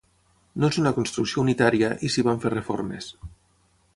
No és una construcció unitària, i s'hi van fer reformes.